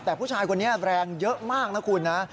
แต่ผู้ชายคนนี้แรงเยอะมากนะคุณนะ